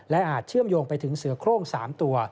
อาจเชื่อมโยงไปถึงเสือโครง๓ตัว